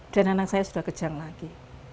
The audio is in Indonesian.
dan anak saya sudah kejang lagi